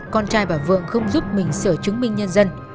con trai bà vượng không giúp mình sửa chứng minh nhân dân